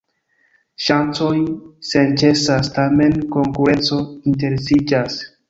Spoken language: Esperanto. Ŝancoj senĉesas, tamen konkurenco intensiĝas.